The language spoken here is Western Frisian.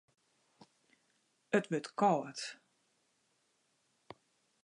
It wurdt kâld.